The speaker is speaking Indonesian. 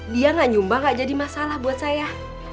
dia gak nyumbang gak jadi masalah buat saya